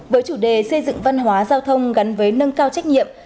với chủ đề xây dựng văn hóa giao thông gắn với nâng cao trách nhiệm